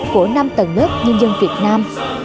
của năm tầng lớp nhân dân việt nam